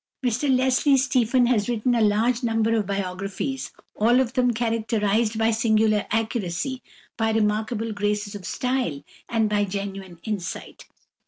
Mr Leslie Stephen has written a large number of biographies, all of them characterised by singular accuracy, by remarkable graces of style, and by genuine insight.